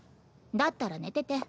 だったら寝てて。